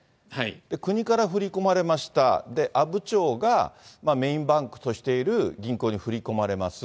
国から振り込まれました、で、阿武町がメインバンクとしている銀行に振り込まれます。